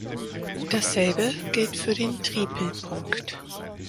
Dasselbe gilt für den Tripelpunkt.